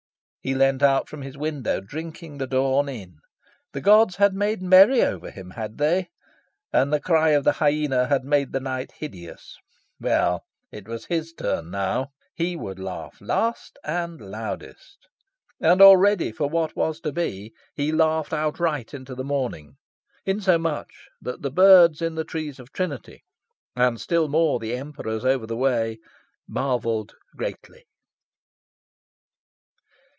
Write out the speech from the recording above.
He leaned out from his window, drinking the dawn in. The gods had made merry over him, had they? And the cry of the hyena had made night hideous. Well, it was his turn now. He would laugh last and loudest. And already, for what was to be, he laughed outright into the morning; insomuch that the birds in the trees of Trinity, and still more the Emperors over the way, marvelled greatly.